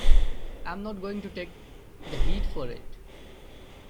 I'm not going to take the heat for it.